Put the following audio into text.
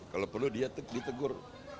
kalau perlu dia ditegur